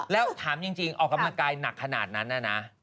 แล้วถามจริงออกกำลังกายหนักขนาดนั้นนะ